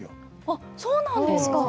あっそうなんですか。